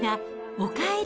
おかえり。